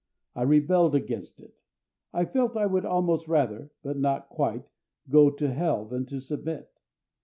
I rebelled against it. I felt I would almost rather (but not quite) go to Hell than to submit.